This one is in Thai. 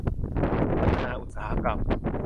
พัฒนาอุตสาหกรรม